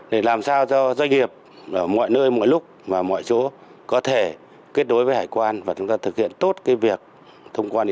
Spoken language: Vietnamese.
để làm sao do doanh nghiệp ở mọi nơi mọi lúc và mọi chỗ có thể kết đối với hải quan và chúng ta thực hiện tốt việc thông quan điện tử